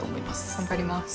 頑張ります。